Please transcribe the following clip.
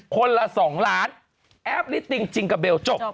คนละ๒ล้านแอปลิสติงจริงกับเบลจบ